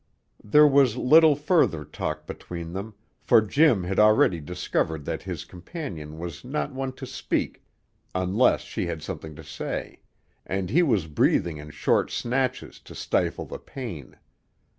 There was little further talk between them, for Jim had already discovered that his companion was not one to speak unless she had something to say, and he was breathing in short snatches to stifle the pain.